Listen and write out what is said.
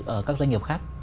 ở các doanh nghiệp khác